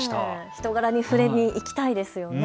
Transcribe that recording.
人柄に触れに行きたいですね。